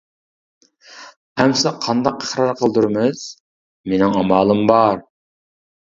-ئەمىسە قانداق ئىقرار قىلدۇرىمىز؟ -مىنىڭ ئامالىم بار.